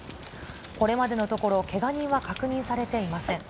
これまでのところ、けが人は確認されていません。